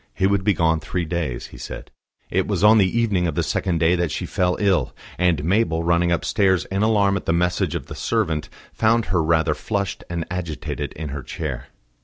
He would be gone three days, he said. It was on the evening of the second day that she fell ill; and Mabel, running upstairs, in alarm at the message of the servant, found her rather flushed and agitated in her chair.